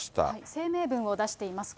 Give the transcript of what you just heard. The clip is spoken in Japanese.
声明文を出しています。